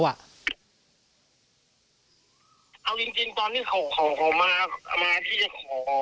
เอาจริงตอนที่เขามาที่จะขอ